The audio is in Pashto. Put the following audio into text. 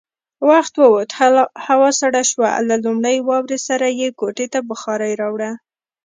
وخت ووت، هوا سړه شوه، له لومړۍ واورې سره يې کوټې ته بخارۍ راوړه.